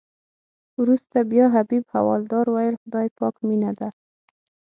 وروسته بیا حبیب حوالدار ویل خدای پاک مینه ده.